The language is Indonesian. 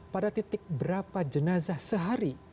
pada titik berapa jenazah sehari